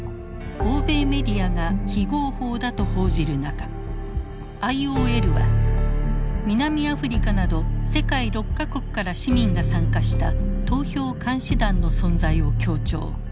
欧米メディアが非合法だと報じる中ＩＯＬは南アフリカなど世界６か国から市民が参加した投票監視団の存在を強調。